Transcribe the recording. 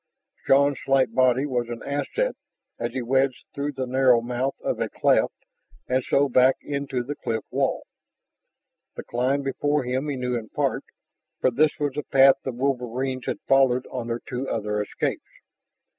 Shann's slight body was an asset as he wedged through the narrow mouth of a cleft and so back into the cliff wall. The climb before him he knew in part, for this was the path the wolverines had followed on their two other escapes.